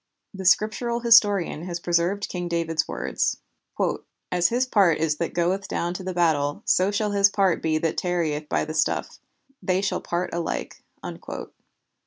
The Scriptural historian has preserved King David's words: "As his part is that goeth down to the battle, so shall his part be that tarrieth by the stuff; they shall part alike."